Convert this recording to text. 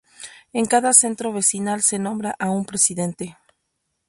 En cada centro vecinal se nombra a un presidente.